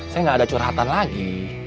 saya nggak ada curhatan lagi